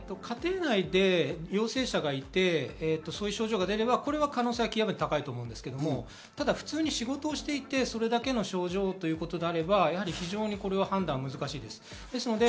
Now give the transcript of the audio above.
家庭内で陽性者がいて、そういう症状が出れば、可能性は極めて高いと思いますが、普通に仕事をしていてそれだけの症状ということであれば、非常に判断は難しいです。